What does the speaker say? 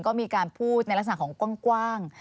ก็มีการพูดในลักษณะของกว้าง